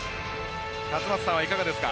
勝俣さんはいかがですか？